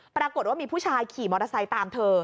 ปรากฏว่ามีผู้ชายขี่มอเตอร์ไซค์ตามเธอ